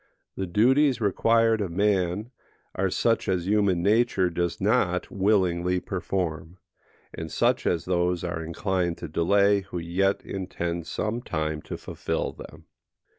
The duties required of man are such as human nature does not willingly perform, and such as those are inclined to delay who yet intend some time to fulfil them.